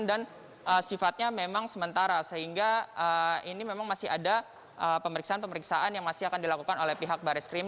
dan sifatnya memang sementara sehingga ini memang masih ada pemeriksaan pemeriksaan yang masih akan dilakukan oleh pihak baris krim